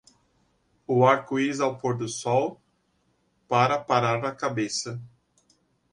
O arco-íris ao pôr do sol, para parar a cabeça.